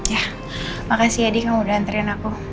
ya makasih ya deddy kamu udah nantikan aku